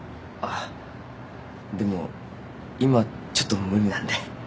あっでも今ちょっと無理なんで。